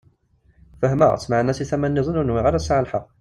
Fehmeɣ-tt, meɛna si tama-nniḍen ur nwiɣ ara tesɛa lḥeqq.